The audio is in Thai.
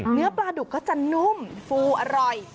เนื้อปลาดุกก็จะนุ่มฟูอร่อย